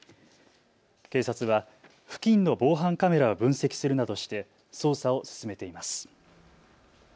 警察は付近の防犯カメラを分析するなどして捜査を進めています。